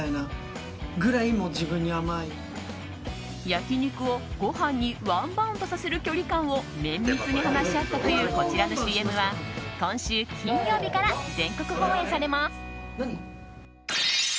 焼き肉をご飯にワンバウンドさせる距離感を綿密に話し合ったというこちらのＣＭは今週金曜日から全国放映されます。